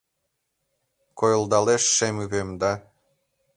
Койылдалеш шем ӱпем да.